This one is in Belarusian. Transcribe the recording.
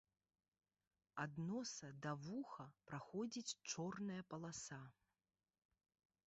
Ад носа да да вуха праходзіць чорная паласа.